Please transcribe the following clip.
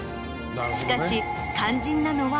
しかし。